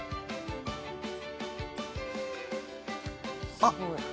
あっ！